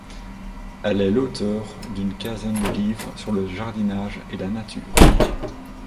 Elle est l'auteure d'une quinzaine de livres sur le jardinage et la nature.